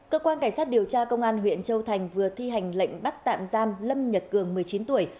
cơ quan cảnh sát điều tra công an huyện châu thành vừa thi hành lệnh bắt tạm giam lâm nhật cường một mươi chín tuổi